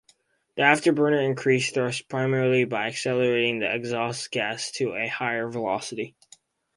The afterburner increases thrust primarily by accelerating the exhaust gas to a higher velocity.